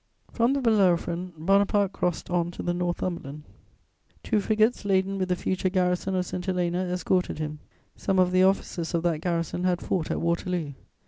From the Bellerophon Bonaparte crossed on to the Northumberland. Two frigates laden with the future garrison of St. Helena escorted him. Some of the officers of that garrison had fought at Waterloo.